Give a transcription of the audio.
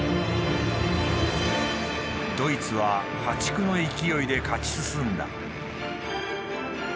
ドイツは破竹の勢いで勝ち進んだ。